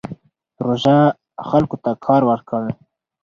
پروژه خلکو ته کار ورکړ.